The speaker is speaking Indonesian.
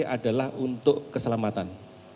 adalah untuk keselamatan